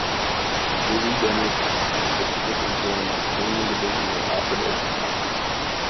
Louise Dennys subsequently joined the Canadian division of Alfred A. Knopf.